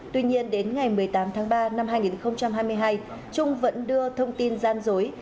tuy nhiên đến ngày một mươi tám tháng ba năm hai nghìn hai mươi hai trung vẫn đưa thông tin gian dối